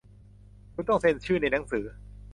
คุณต้องเซ็นชื่อในหนังสือ